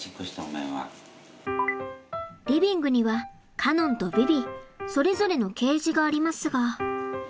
リビングにはカノンとヴィヴィそれぞれのケージがありますが。